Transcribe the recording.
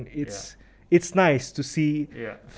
dan itu bagus untuk melihat